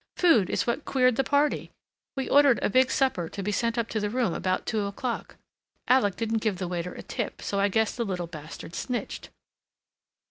"Food is what queered the party. We ordered a big supper to be sent up to the room about two o'clock. Alec didn't give the waiter a tip, so I guess the little bastard snitched."